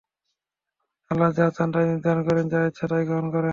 আল্লাহ্ যা চান তাই নির্ধারণ করেন, যা ইচ্ছা তাই গ্রহণ করেন।